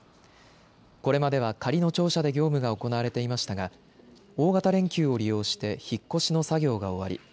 これまでは仮の庁舎で業務が行われていましたが大型連休を利用して引っ越しの作業が終わり